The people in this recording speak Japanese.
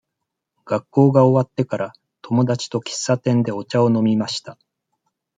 学校が終わってから、友達と喫茶店でお茶を飲みました。